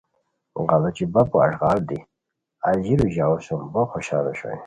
غیڑوچی بپو اݱغال دی اژیرو ژاوؤ سُم بو خوشان اوشوئے